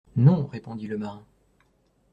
Non, répondit le marin.